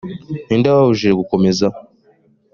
ni nde wababujije gukomeza